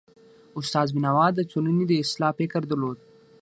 استاد بینوا د ټولني د اصلاح فکر درلود.